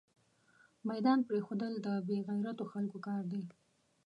ميدان پريښودل دبې غيرتو خلکو کار ده